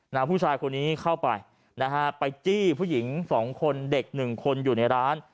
น้ำผู้ชายคนนี้เข้าไปไปจี้ผู้หญิง๒คนเด็ก๑คนอยู่ในร้าน